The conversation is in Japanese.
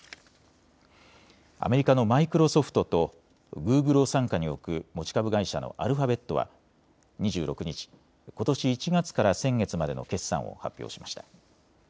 アメリカのマイクロソフトとグーグルを傘下に置く持ち株会社のアルファベットは２６日、ことし１月から先月までの決算を発表しました。